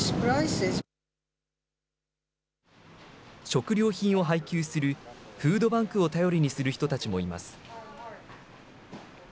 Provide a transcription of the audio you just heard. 食料品を配給するフードバンクを頼りにする人たちもいます。